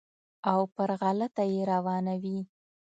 او پر غلطه یې روانوي.